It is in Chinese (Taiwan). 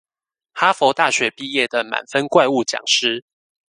哈佛大學畢業的滿分怪物講師